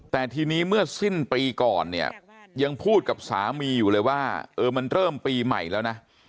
แต่ทีนี้เมื่อสิ้นปีก่อนเนี่ยยังพูดกับสามีอยู่เลยว่าเออมันเริ่มปีใหม่แล้วนะ